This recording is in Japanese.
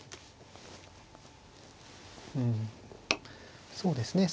うんそうですね